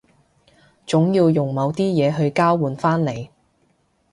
總要用某啲嘢去交換返嚟